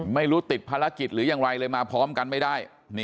ไม่รู้ติดภารกิจหรือยังไรเลยมาพร้อมกันไม่ได้